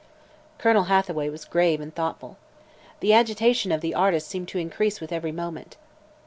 Colonel Hathaway was grave and thoughtful. The agitation of the artist seemed to increase with every moment.